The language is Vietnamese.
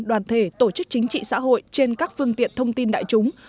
đoàn thể tổ chức chính trị xã hội trên các phương tiện thông tin đại chúng